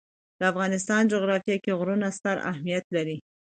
د افغانستان جغرافیه کې غرونه ستر اهمیت لري.